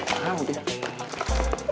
ah mau deh